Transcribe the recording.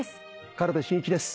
軽部真一です。